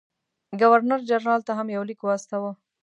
ګورنر جنرال ته هم یو لیک واستاوه.